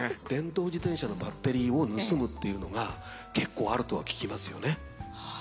電動自転車のバッテリーを盗むっていうのが結構あるとは聞きますよね。